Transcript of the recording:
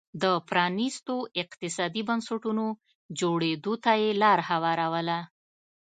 د پرانیستو اقتصادي بنسټونو جوړېدو ته یې لار هواروله